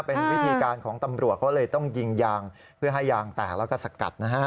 เป็นวิธีการของตำรวจเขาเลยต้องยิงยางเพื่อให้ยางแตกแล้วก็สกัดนะฮะ